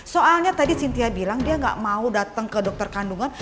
soalnya tadi cynthia bilang dia nggak mau datang ke dokter kandungan